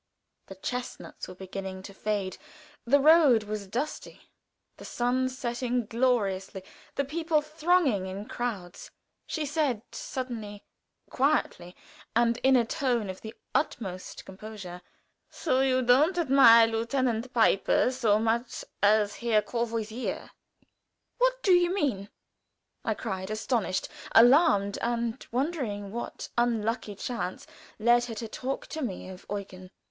the chestnuts were beginning to fade, the road was dusty, the sun setting gloriously, the people thronging in crowds she said suddenly, quietly, and in a tone of the utmost composure: "So you don't admire Lieutenant Pieper so much as Herr Courvoisier?" "What do you mean?" I cried, astonished, alarmed, and wondering what unlucky chance led her to talk to me of Eugen.